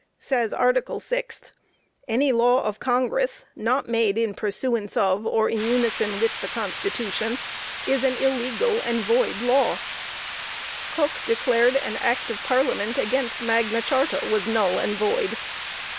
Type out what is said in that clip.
Says article sixth: "Any law of Congress not made in pursuance of, or in unison with the Constitution, is an illegal and void law." Coke declared an Act of Parliament against Magna Charta was null and void.